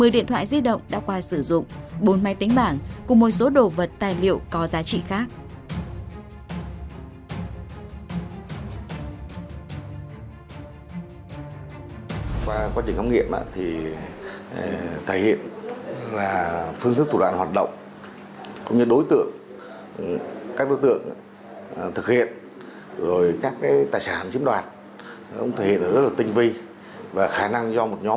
một mươi điện thoại di động đã qua sử dụng bốn máy tính bảng cùng một số đồ vật tài liệu có giá trị khác